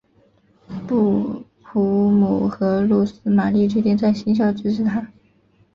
布卢姆和露丝玛丽决定在新校支持他。